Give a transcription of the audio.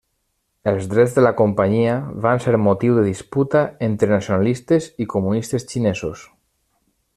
Els drets de la companyia van ser motiu de disputa entre nacionalistes i comunistes xinesos.